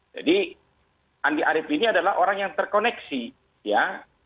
andi arief ini adalah orang yang terkoneksi ya